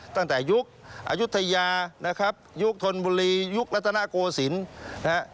ตั้งแต่ยุคอายุทยายุคทนบุรียุครัฐนโกศิลป์